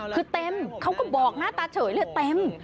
คือเต็มเขาก็บอกหน้าตาเฉยเลยเต็ม